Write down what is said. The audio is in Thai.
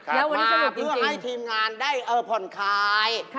แล้ววันนี้สนุกจริงค่ะมาเพื่อให้ทีมงานได้ผ่อนคลาย